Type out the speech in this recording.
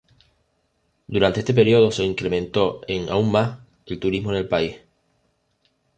Durante este período se incrementó en aún más, el turismo en el país.